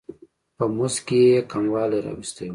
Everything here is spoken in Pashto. په مزد کې یې کموالی راوستی و.